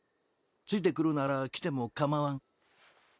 ついてくるなら来てもかまわん。